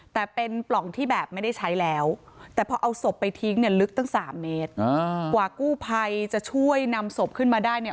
แต่เป็นปล่องที่แบบไม่ได้ใช้แล้วแต่พอเอาศพไปทิ้งเนี่ยลึกตั้งสามเมตรอ่ากว่ากู้ภัยจะช่วยนำศพขึ้นมาได้เนี่ย